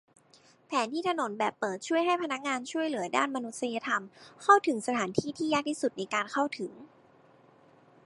แผนที่ถนนแบบเปิดช่วยให้พนักงานช่วยเหลือด้านมนุษยธรรมเข้าถึงสถานที่ที่ยากที่สุดในการเข้าถึง